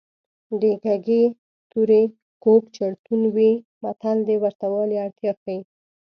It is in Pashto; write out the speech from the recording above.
د کږې تورې کوږ چړتون وي متل د ورته والي اړتیا ښيي